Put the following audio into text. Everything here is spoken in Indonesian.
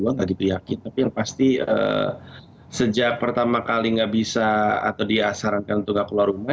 lo nggak dipihakin tapi yang pasti sejak pertama kali nggak bisa atau dia sarankan untuk gak keluar rumah